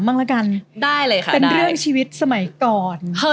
เป็นเรื่องชีวิตสมัยก่อน